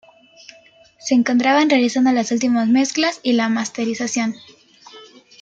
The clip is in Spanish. Se encontraba realizando las últimas mezclas y la masterización.